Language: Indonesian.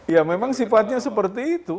ya memang sifatnya seperti itu